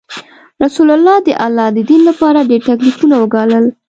رسول الله د الله د دین لپاره ډیر تکلیفونه وګالل.